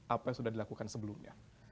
apa yang sudah dilakukan sebelumnya